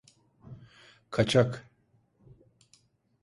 Kaçak.